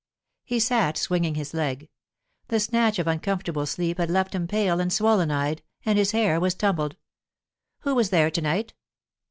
He sat swinging his leg. The snatch of uncomfortable sleep had left him pale and swollen eyed, and his hair was tumbled. "Who was there to night?"